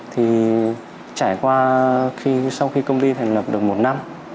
thì trải qua khi sau khi công ty thành lập được một năm